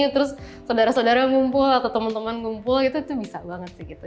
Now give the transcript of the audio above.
terus saudara saudara ngumpul atau teman teman ngumpul gitu tuh bisa banget sih gitu